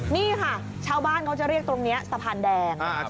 นี่ค่ะชาวบ้านเขาจะเรียกตรงนี้สะพานแดง